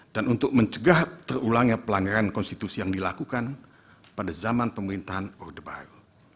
dan untuk mencegah terulangnya pelanggaran konstitusi yang dilakukan pada zaman pemerintahan orde baru